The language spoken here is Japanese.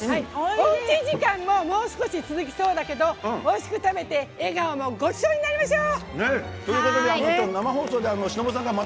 おうち時間ももう少し続きそうだけどおいしく食べて、笑顔もごちそうになりましょう！